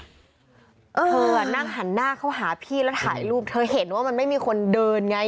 เธอนั่งหันหน้าเข้าหาพี่แล้วถ่ายรูปเธอเห็นว่ามันไม่มีคนเดินไง